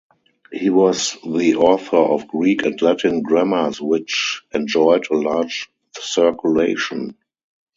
He was the author of Greek and Latin grammars which enjoyed a large circulation.